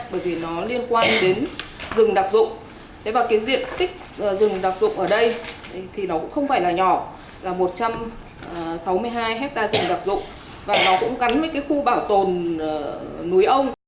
với số tiền thì nó có liên quan đến rừng đặc dụng và cái diện tích rừng đặc dụng ở đây thì nó cũng không phải là nhỏ là một trăm sáu mươi hai hectare rừng đặc dụng và nó cũng cắn với cái khu bảo tồn núi âu